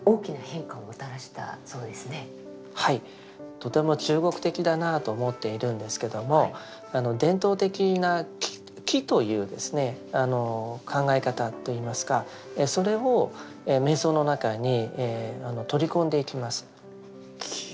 とても中国的だなあと思っているんですけども伝統的な「気」という考え方といいますかそれを瞑想の中に取り込んでいきます。